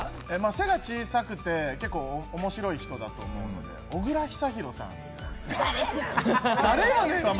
背が小さくて面白い人だと思いますので、小倉久寛さん。